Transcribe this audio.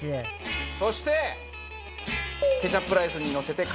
そしてケチャップライスにのせて完成です。